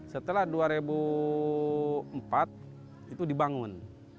setelah dua ribu empat itu dibangun